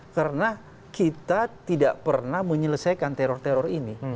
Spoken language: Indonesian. karena kita tidak pernah menyelesaikan teror teror ini